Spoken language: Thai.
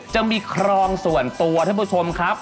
จะมีครองส่วนตัวท่านผู้ชมครับ